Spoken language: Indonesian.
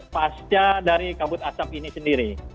nah ini juga dari kabut asap ini sendiri